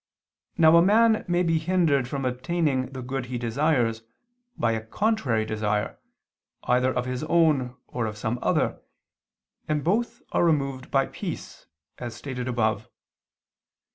Now a man may be hindered from obtaining the good he desires, by a contrary desire either of his own or of some other, and both are removed by peace, as stated above.